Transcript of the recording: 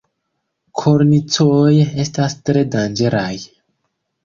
Kornicoj estas tre danĝeraj.